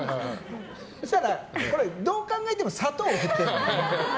そうしたらどう考えても砂糖を振ってるの。